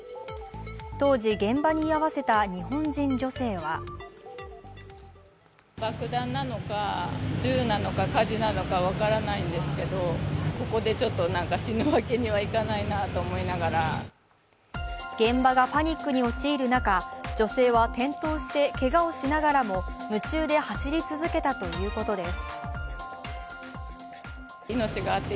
当時、現場に居合わせた日本人女性は現場がパニックに陥る中女性は転倒してけがをしながらも夢中で走り続けたということです。